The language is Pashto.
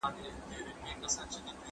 هغه سړی له بدو انډيوالانو ځان وساتی.